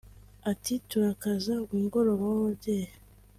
Ati “Turakaza umugoroba w’ababyeyi